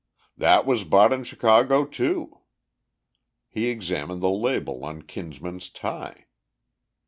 "That was bought in Chicago, too." He examined the label on Kinsman's tie.